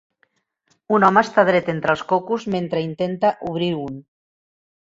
Un home està dret entre els cocos mentre intenta obrir un.